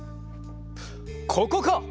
ここか！